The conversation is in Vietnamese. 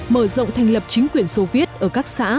mở rộng thành lập chính quyền soviet ở các xã